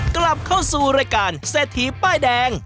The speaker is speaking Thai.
กลับเข้าสู่รายการเศรษฐีป้ายแดง